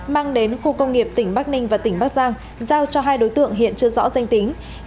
mang đến khu công nghiệp tỉnh bắc ninh và tỉnh bắc giang giao cho hai đối tượng hiện chưa rõ danh tính